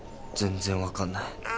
全然分かんない。